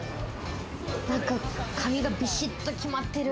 なんか髪がビシっと決まってる。